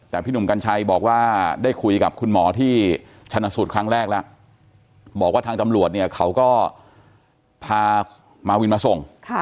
แต่พี่หนุ่มกัญชัยบอกว่าได้คุยกับคุณหมอที่ชนะสูตรครั้งแรกแล้วบอกว่าทางตำรวจเนี่ยเขาก็พามาวินมาส่ง